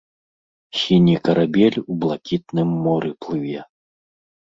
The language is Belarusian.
Сіні карабель у блакітным моры плыве.